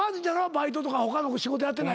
バイトとか他の仕事やってないやろ？